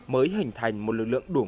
mới hình thành một lực lượng đúng